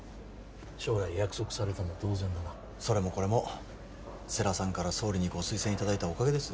将来約束されたも同然だなそれもこれも世良さんから総理にご推薦いただいたおかげです